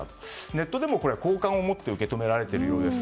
ネットでも好感を持って受け止められているようです。